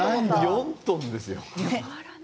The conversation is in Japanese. ４トンですよ。